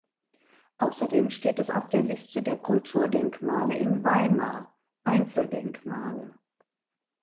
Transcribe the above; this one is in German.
Außerdem steht es auf der Liste der Kulturdenkmale in Weimar (Einzeldenkmale).